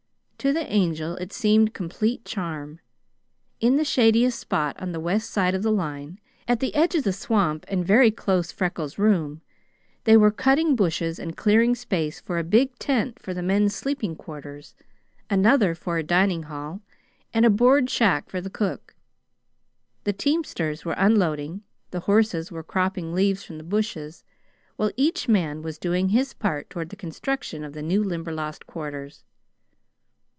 To the Angel it seemed complete charm. In the shadiest spot on the west side of the line, at the edge of the swamp and very close Freckles' room, they were cutting bushes and clearing space for a big tent for the men's sleeping quarters, another for a dining hall, and a board shack for the cook. The teamsters were unloading, the horses were cropping leaves from the bushes, while each man was doing his part toward the construction of the new Limberlost quarters.